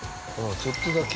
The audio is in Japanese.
ちょっとだけ。